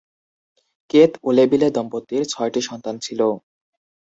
কেত-ওলেবিলে দম্পতির ছয়টি সন্তান ছিল।